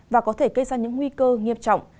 và có thể gây ra những nguy cơ nghiêm trọng